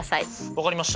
分かりました。